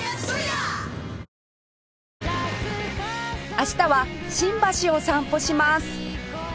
明日は新橋を散歩します